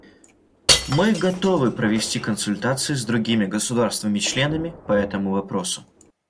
Мы готовы провести консультации с другими государствами-членами по этому вопросу.